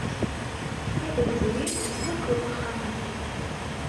Iḍ yezrin, yettwaker wexxam-nnek.